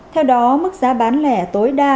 theo đó mức giá bán lẻ tối đa